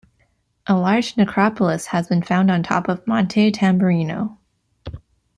A large necropolis has been found on top of Monte Tamburrino.